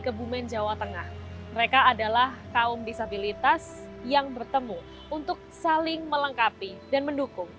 kebumen jawa tengah mereka adalah kaum disabilitas yang bertemu untuk saling melengkapi dan mendukung